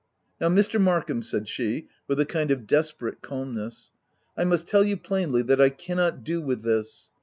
« Now Mr. Markham," said she, with a kind of desperate calmness, " I must tell you plainly* that I cannot do with this.